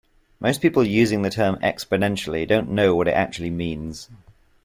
Most people using the term "exponentially" don't know what it actually means.